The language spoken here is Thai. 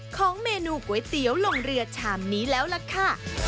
ของเมนูก๋วยเตี๋ยวลงเรือชามนี้แล้วล่ะค่ะ